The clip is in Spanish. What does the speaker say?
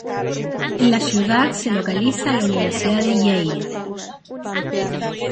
En la ciudad se localiza la Universidad de Yale.